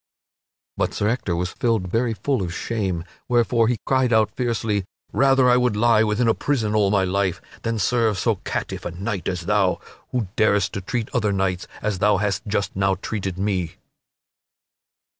But Sir Ector was filled very full of shame, wherefore he cried out fiercely, "Rather would I lie within a prison all my life than serve so catiff a knight as thou, who darest to treat other knights as thou hast just now treated me."